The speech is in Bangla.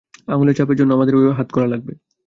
আঙুলের ছাপের জন্য আমাদের ওই হাতকড়া লাগবে।